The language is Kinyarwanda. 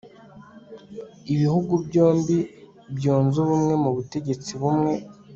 ibihugu byombi byunze ubumwe mu butegetsi bumwe